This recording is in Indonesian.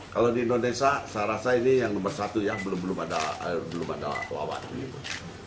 kalau di indonesia saya rasa ini yang nomor satu ya belum ada lawan